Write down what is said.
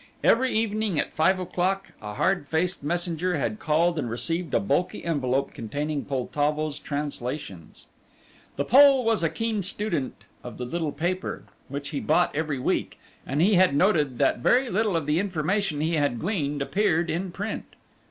Every evening at five o'clock a hard faced messenger had called and received a bulky envelope containing Poltavo's translations. The Pole was a keen student of the little paper, which he bought every week, and he had noted that very little of the information he had gleaned appeared in print.